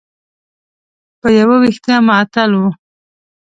په یو وېښته معطل و.